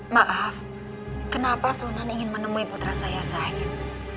maaf kenapa sunan ingin menemui putra saya zahid